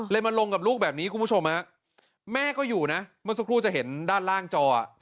มาลงกับลูกแบบนี้คุณผู้ชมฮะแม่ก็อยู่นะเมื่อสักครู่จะเห็นด้านล่างจอ